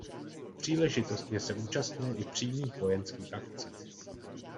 Příležitostně se účastnil i přímých vojenských akcí.